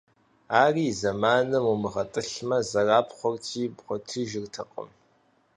Ари и зэманым умыгъэтӀылъмэ, зэрапхъуэрти бгъуэтыжыртэкъым.